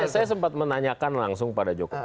saya sempat menanyakan langsung pada jokowi